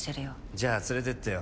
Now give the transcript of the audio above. じゃあ連れてってよ。